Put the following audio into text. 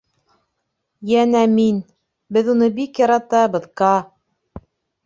Йәнә мин... беҙ уны бик яратабыҙ, Каа.